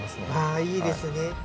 あいいですね。